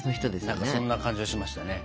何かそんな感じがしましたね。